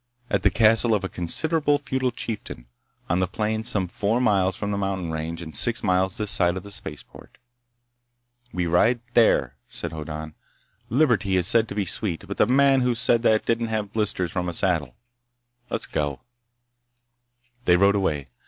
At the castle of a considerable feudal chieftain, on the plain some four miles from the mountain range and six miles this side of the spaceport. "We ride there," said Hoddan. "Liberty is said to be sweet, but the man who said that didn't have blisters from a saddle. Let's go." They rode away.